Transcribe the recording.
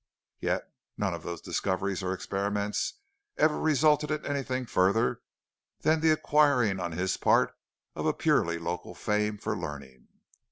Yet none of those discoveries or experiments ever resulted in anything further than the acquiring on his part of a purely local fame for learning.